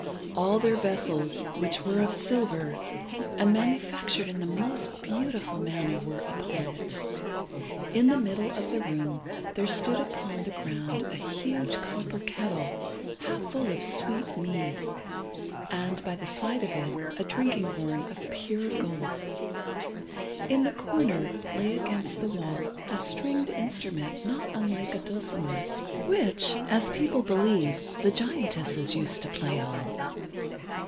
All their vessels, which were of silver, and manufactured in the most beautiful manner, were upon it. In the middle of the room there stood upon the ground a huge copper kettle half full of sweet mead, and, by the side of it, a drinking horn of pure gold. In the corner lay against the wall a stringed instrument not unlike a dulcimer, which, as people believe, the giantesses used to play on.